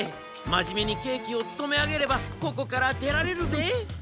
まじめにけいきをつとめあげればここからでられるべえ。